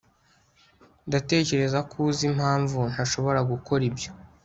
ndatekereza ko uzi impamvu ntashobora gukora ibyo